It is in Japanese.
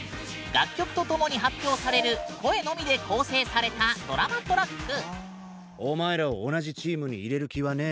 楽曲とともに発表される声のみで構成されたドラマトラック。